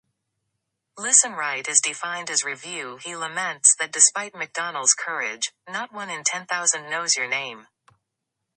He laments that despite Macdonell's courage, "not one in ten thousand knows your name".